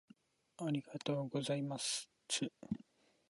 ありがとうございますつ